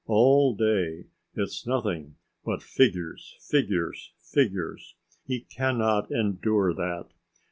All day it's nothing but figures, figures, figures. He cannot endure that.